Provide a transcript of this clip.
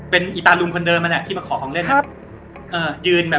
เป็นหญิงคนนั้นมาขอของเล่น